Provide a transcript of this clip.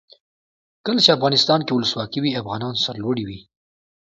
کله چې افغانستان کې ولسواکي وي افغانان سرلوړي وي.